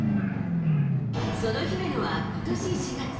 その姫野はことし４月。